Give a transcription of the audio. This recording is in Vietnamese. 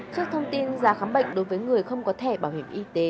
trước thông tin ra khám bệnh đối với người không có thẻ bảo hiểm y tế